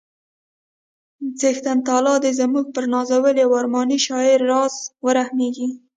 څښتن تعالی دې زموږ پر نازولي او ارماني شاعر راز ورحمیږي